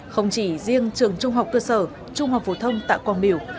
không chỉ riêng trường trung học cơ sở trung học phổ thông tạ quang biểu